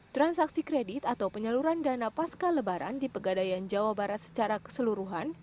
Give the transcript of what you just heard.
transaksi kredit atau penyaluran dana pasca lebaran di pegadaian jawa barat secara keseluruhan